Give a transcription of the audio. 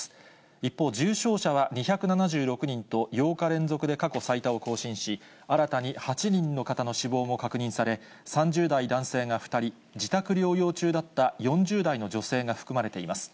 一方、重症者は２７６人と８日連続で過去最多を更新し、新たに８人の方の死亡も確認され、３０代男性が２人、自宅療養中だった４０代の女性が含まれています。